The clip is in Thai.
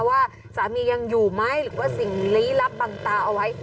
ว่าสามียังอยู่ไหมหรือว่าสิ่งลี้ลับบังตาเอาไว้